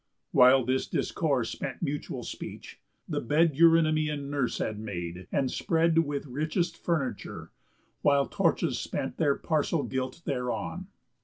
While this discourse spent mutual speech, the bed Eurynomé and nurse had made, and spread With richest furniture, while torches spent Their parcel gilt thereon.